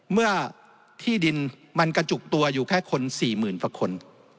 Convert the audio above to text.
เมื่อที่ดินมันกระจุกตัวอยู่แค่คน๔๐๐๐กว่าคน